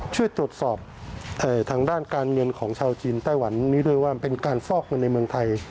ช่วยตรวจสอบทางด้านการเงินของชาวจีนไต้หวันนี้ด้วยว่าเป็นการฟอกเงินในเมืองไทย